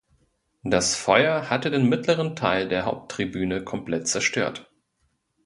Das Feuer hatte den mittleren Teil der Haupttribüne komplett zerstört.